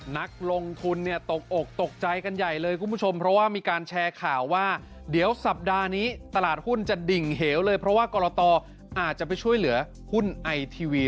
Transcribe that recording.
นักลงทุนเนี่ยตกอกตกใจกันใหญ่เลยคุณผู้ชมเพราะว่ามีการแชร์ข่าวว่าเดี๋ยวสัปดาห์นี้ตลาดหุ้นจะดิ่งเหวเลยเพราะว่ากรตอาจจะไปช่วยเหลือหุ้นไอทีวี